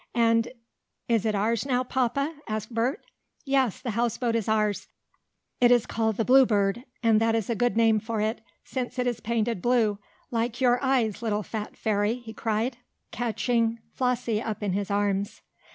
"And is it ours now, Papa?" asked Bert. "Yes, the houseboat is ours. It is called the Bluebird, and that is a good name for it, since it is painted blue like your eyes, little fat fairy!" he cried, catching Flossie up in his arms.